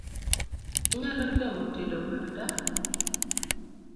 Inyalo temo tedo manda?